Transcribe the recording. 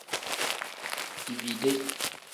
Dibide.